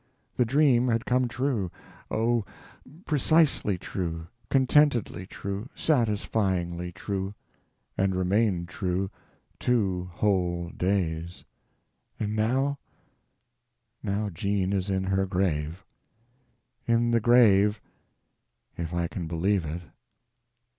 the dream had come true—oh, precisely true, contentedly, true, satisfyingly true! and remained true two whole days. And now? Now Jean is in her grave! In the grave—if I can believe it.